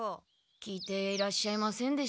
聞いていらっしゃいませんでした？